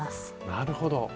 なるほど。